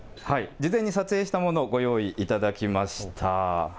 事前に撮影したものをご用意いただきました。